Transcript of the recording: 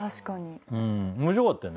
面白かったよね？